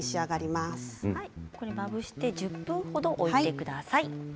まぶして１０分ほど置いてください。